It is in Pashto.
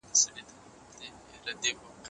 ارواپوهنه د انسانانو د چلند په پوهېدو کي مرسته کوي.